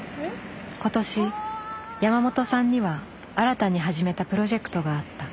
今年山本さんには新たに始めたプロジェクトがあった。